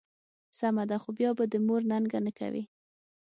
سمه ده، خو بیا به د مور ننګه نه کوې.